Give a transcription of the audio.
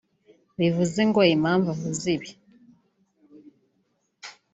Bivuze ngo impamvu avuze ibi